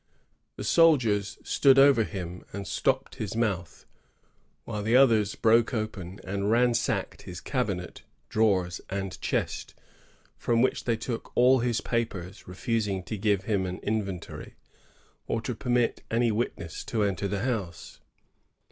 The soldiers stood over him and stopped his mouth, while the otheis broke open and ransacked his cabinet, drawers, and chest, from which they took all his papeis, refusing to give him an inventoiy, or to pennit any witness to enter the house.